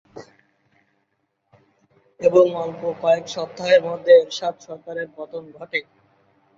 এবং অল্প কয়েক সপ্তাহের মধ্যে এরশাদ সরকারের পতন ঘটে।